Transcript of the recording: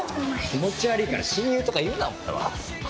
気持ち悪いから親友とか言うなお前は。